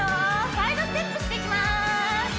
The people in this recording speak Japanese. サイドステップしていきます